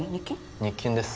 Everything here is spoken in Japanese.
日勤です